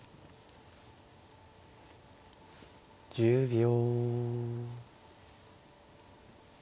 １０秒。